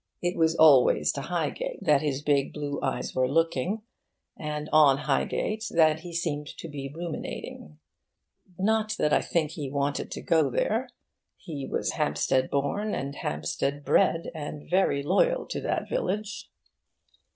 It was always to Highgate that his big blue eyes were looking, and on Highgate that he seemed to be ruminating. Not that I think he wanted to go there. He was Hampstead born and Hampstead bred, and very loyal to that village.